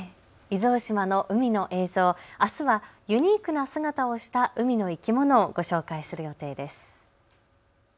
伊豆大島の海の映像、あすはユニークな姿をした海の生き物をご紹介します。